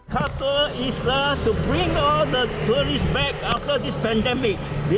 kata tur adalah untuk membawa semua turis kembali setelah pandemi ini